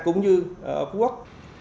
cũng như ở phú quốc